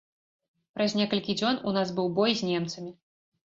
Праз некалькі дзён у нас быў бой з немцамі.